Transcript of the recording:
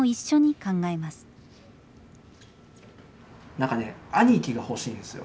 なんかね兄貴が欲しいんですよ。